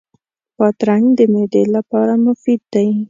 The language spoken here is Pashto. بادرنګ د معدې لپاره مفید دی.